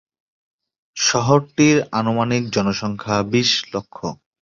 শহরটির আনুমানিক জনসংখ্যা বিশ লক্ষ।